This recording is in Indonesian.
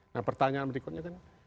nah pertanyaan berikutnya kan